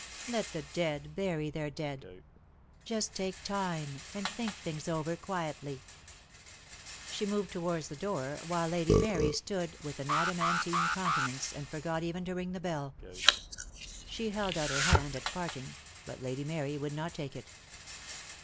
Let the dead bury their dead. Just take time, and think things over quietly." She moved towards the door, while Lady Mary stood with an adamantine countenance and forgot even to ring the bell. She held out her hand at parting, but Lady Mary would not take it.